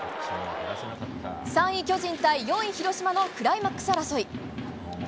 ３位、巨人対４位、広島のクライマックス争い。